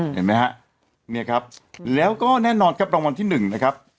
เห็นไหมฮะเนี่ยครับแล้วก็แน่นอนครับรางวัลที่๑นะครับ